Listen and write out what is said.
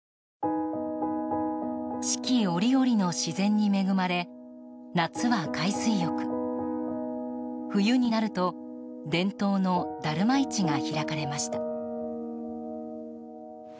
四季折々の自然に恵まれ夏は海水浴冬になると、伝統のダルマ市が開かれました。